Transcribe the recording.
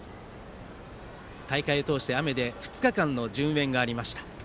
大会を通して雨で２日間の順延がありました。